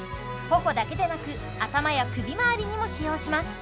頬だけでなく頭や首回りにも使用します